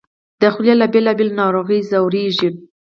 د خولې له بېلابېلو ناروغیو ځورېږي